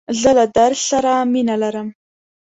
زه له درس سره مینه لرم.